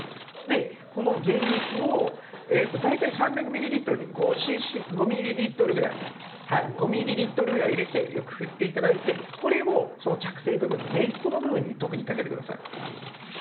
この原液を大体３００ｍＬに５ｍＬぐらい５ｍＬぐらい入れてよく振っていただいてこれをその着生部分の根っこの部分に特にかけてください。